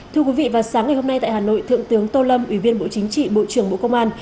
thưa quý vị vào sáng ngày hôm nay tại hà nội thượng tướng tô lâm ủy viên bộ chính trị bộ trưởng bộ công an